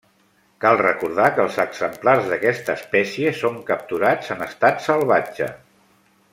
Cal recordar que els exemplars d'aquesta espècie són capturats en estat salvatge.